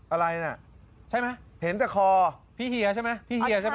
อะไรน่ะใช่ไหมเห็นแต่คอพี่เฮียใช่ไหมพี่เฮียใช่ไหม